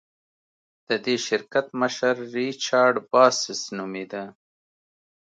د دې شرکت مشر ریچارډ باسس نومېده.